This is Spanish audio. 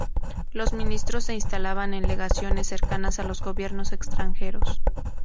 Los ministros se instalaban en legaciones cercanas a los gobiernos extranjeros.